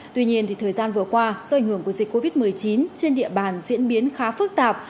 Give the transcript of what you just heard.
tuy nhiên thời gian vừa qua do ảnh hưởng của dịch covid một mươi chín trên địa bàn diễn biến khá phức tạp